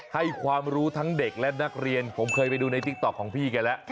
ให้ความรู้ทั้งเด็กและนักเรียนผมเคยไปดูในติ๊กต๊อกของพี่แกแล้ว